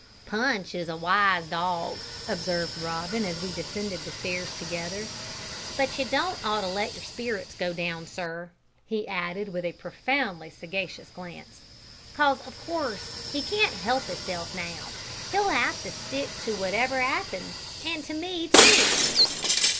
"Punch is a wise dog," observed Robin, as we descended the stairs together; "but you don't ought to let your spirits go down, sir," he added, with a profoundly sagacious glance, "'cause, of course, he can't 'elp 'isself now. He'll 'ave to stick to you wotever 'appens an' to me too!"